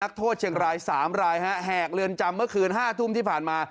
โทษเชียงราย๓รายแหกเรือนจำเมื่อคืน๕ทุ่มที่ผ่านมา